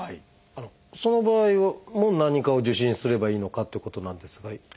その場合も何科を受診すればいいのかっていうことなんですが。